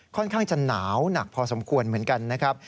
ค่อนข้างจะหนาวหนักพอสมควรเหมือนกันนะครับ